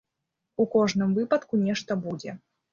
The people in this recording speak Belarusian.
У кожным выпадку нешта будзе.